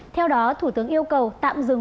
theo đó thủ tướng yêu cầu tạm dừng